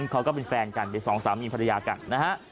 เขาก็เป็นแฟนกันเป็นสองสามีภรรยากันนะฮะ